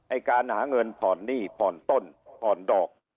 ไอ้การหาเงินฝอร์นหนี้ฝอร์นต้นฝอร์นดอก